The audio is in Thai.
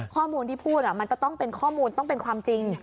ข้อมูลที่พูดมันจะต้องเป็นข้อมูลต้องเป็นความจริง